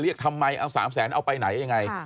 ทำไมเอา๓แสนเอาไปไหนยังไง